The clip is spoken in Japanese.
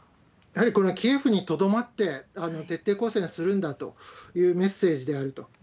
やはりこれはキエフにとどまって徹底抗戦するんだというメッセージであると。